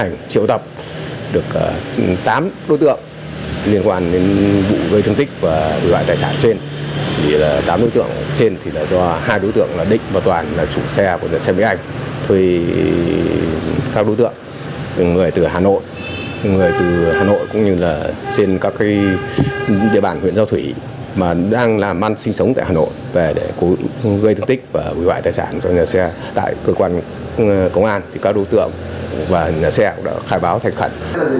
người từ hà nội cũng như là trên các cái địa bàn huyện giao thủy mà đang làm ăn sinh sống tại hà nội để cố gây thương tích và hủy hoại tài sản cho nhà xe tại cơ quan công an thì các đối tượng và nhà xe đã khai báo thành khẩn